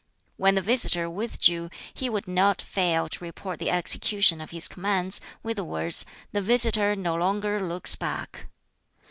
When the visitor withdrew, he would not fail to report the execution of his commands, with the words, "The visitor no longer looks back."